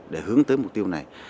để hướng tới mục tiêu này